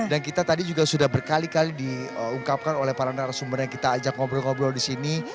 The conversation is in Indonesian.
dan kita tadi juga sudah berkali kali diungkapkan oleh para narasumber yang kita ajak ngobrol ngobrol di sini